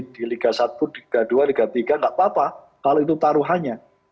di liga satu liga dua liga tiga nggak apa apa kalau itu taruhannya